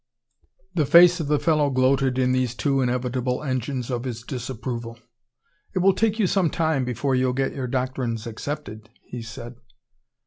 The face of the fellow gloated in these two inevitable engines of his disapproval. "It will take you some time before you'll get your doctrines accepted," he said.